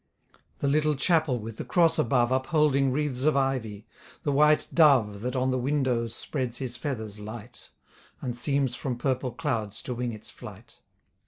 The little chapel with the cross above Upholding wreaths of ivy; the white dove, That on the windows spreads his feathers light, And seems from purple clouds to wing its flight.